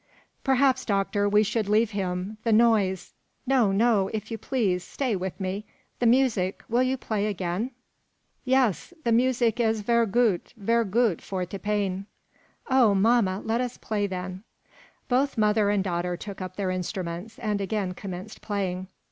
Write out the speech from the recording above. "Perhaps, doctor, we should leave him. The noise " "No, no! if you please, stay with me. The music; will you play again?" "Yes, the music is ver goot; ver goot for te pain." "Oh, mamma! let us play, then." Both mother and daughter took up their instruments, and again commenced playing.